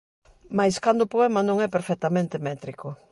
Máis cando o poema non é perfectamente métrico.